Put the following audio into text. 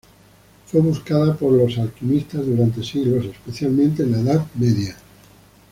Fue buscada por los alquimistas durante siglos, especialmente en la Edad Media.